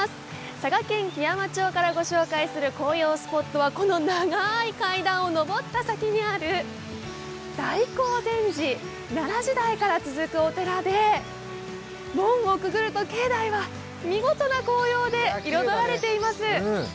佐賀県基山町からご紹介する紅葉スポットはこの長い階段を上った先にある大興善寺、奈良時代から続くお寺で門をくぐると境内は見事な紅葉で彩られています。